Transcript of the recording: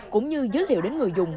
cũng như giới thiệu đến người dùng